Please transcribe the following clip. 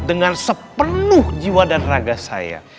dengan sepenuh jiwa dan raga saya